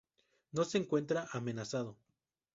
No se encuentra amenazado.